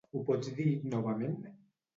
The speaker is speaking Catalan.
Ho pots dir novament?